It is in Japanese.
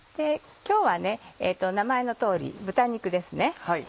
今日は名前の通り豚肉ですね。